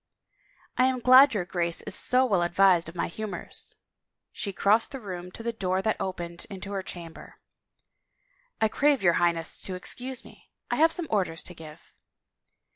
" I am glad your Grace is so well advised of my humors." She crossed the room to the door that opened into her chamber. " I crave your Highness to excuse me — I have some orders to give."